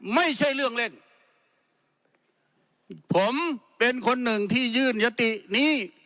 ไม่ใช่เรื่องเล่นผมเป็นคนหนึ่งที่ยื่นยตินี้